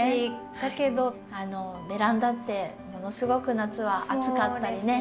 だけどベランダってものすごく夏は暑かったりね。